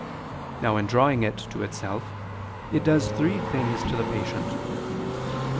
Now in drawing it to itself, it does three things in the patient.